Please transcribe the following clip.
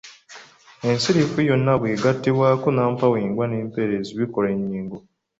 Ensirifu yonna bw’egattibwako nnampawengwa n’empeerezi bikola ennyingo.